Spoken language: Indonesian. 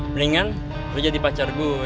mendingan lu jadi pacar gue